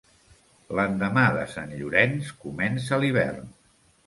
L'endemà de Sant Llorenç comença l'hivern.